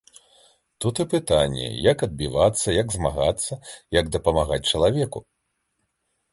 Тут і пытанне, як адбівацца, як змагацца, як дапамагаць чалавеку.